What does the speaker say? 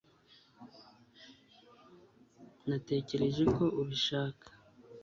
Natekereje ko ubishaka